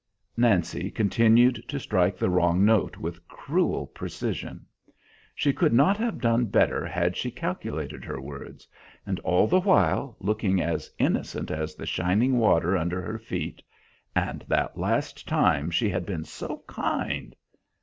Nancy continued to strike the wrong note with cruel precision; she could not have done better had she calculated her words; and all the while looking as innocent as the shining water under her feet, and that last time she had been so kind!